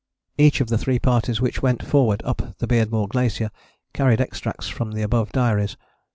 [Each of the three parties which went forward up the Beardmore Glacier carried extracts from the above diaries.